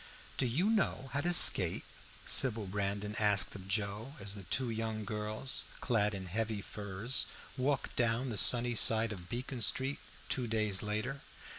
"Do you know how to skate?" Sybil Brandon asked of Joe as the two young girls, clad in heavy furs, walked down the sunny side of Beacon Street two days later.